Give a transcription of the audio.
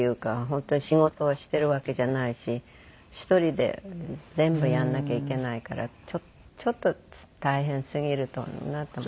本当に仕事をしているわけじゃないし１人で全部やんなきゃいけないからちょっと大変すぎるだろうなと。